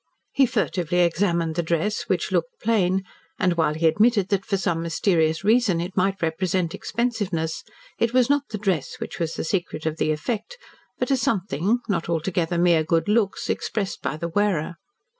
He furtively examined the dress which looked plain, and while he admitted that for some mysterious reason it might represent expensiveness, it was not the dress which was the secret of the effect, but a something, not altogether mere good looks, expressed by the wearer.